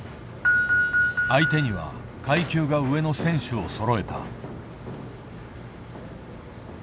相手には階級が上の選手をそろえた。